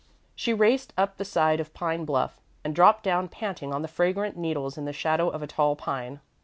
She raced up the side of Pine Bluff, and dropped down panting on the fragrant needles in the shadow of a tall pine.